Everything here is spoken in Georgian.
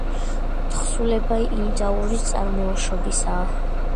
თხზულება ინდური წარმოშობისაა.